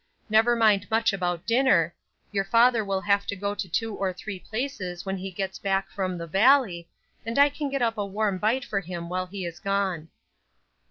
Never mind much about dinner; your father will have to go to two or three places when he gets back from the Valley, and I can get up a warm bite for him while he is gone."